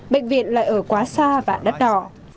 bệnh viện lại ở quá xa và đắt đỏ